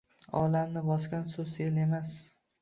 Olamni bosgan suv “Sel” emas